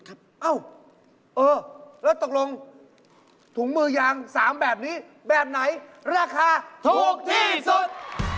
เอ้าเออแล้วตกลงถุงมือยาง๓แบบนี้แบบไหนราคาถูกที่สุด